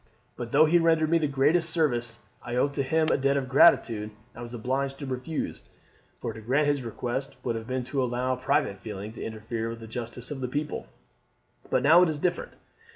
But though he rendered me the greatest service, and I owe to him a debt of gratitude, I was obliged to refuse; for to grant his request would have been to allow private feeling to interfere with the justice of the people; but now it is different.